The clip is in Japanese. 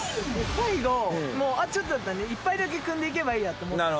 最後もうあとちょっとだったんで１杯だけくんでいけばいいやと思って。